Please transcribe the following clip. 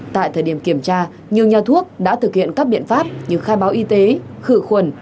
tại thời điểm kiểm tra nhiều nhà thuốc đã thực hiện các biện pháp như khai báo y tế khử khuẩn